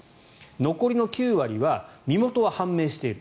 残りの９割は身元は判明している。